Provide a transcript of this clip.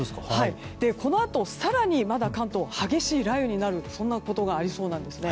このあと更に、まだ関東激しい雷雨になることがありそうなんです。